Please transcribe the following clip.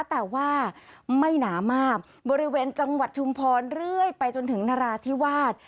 แต่ว่าไม่หนามากบริเวณจังหวัดชุมพรเรื่อยไปจนถึงนราธิวาส